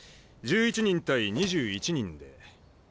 １１人対２１人で。